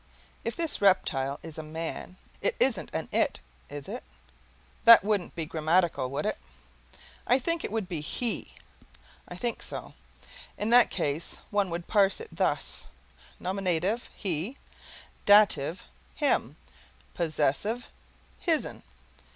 If this reptile is a man, it isn't an IT, is it? That wouldn't be grammatical, would it? I think it would be HE. I think so. In that case one would parse it thus: nominative, HE; dative, HIM; possessive, HIS'N.